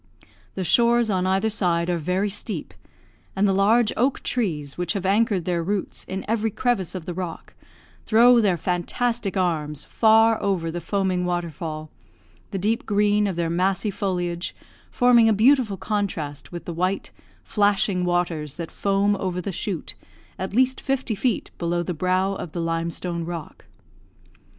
The shores on either side are very steep, and the large oak trees which have anchored their roots in every crevice of the rock, throw their fantastic arms far over the foaming waterfall, the deep green of their massy foliage forming a beautiful contrast with the white, flashing waters that foam over the shoot at least fifty feet below the brow of the limestone rock.